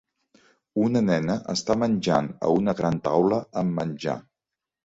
Una nena està menjant a una gran taula amb menjar.